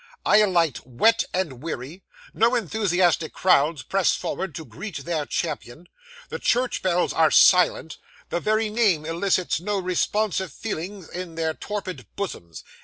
I alight wet and weary; no enthusiastic crowds press forward to greet their champion; the church bells are silent; the very name elicits no responsive feeling in their torpid bosoms.